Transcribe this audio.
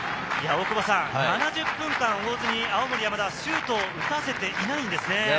７０分間、大津に青森山田はシュートを打たせていないんですね。